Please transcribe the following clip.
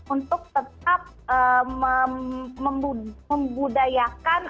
untuk tetap membudayakan